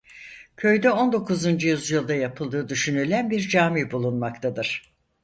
Köyde on dokuzuncu yüzyılda yapıldığı düşünülen bir cami bulunmaktadır.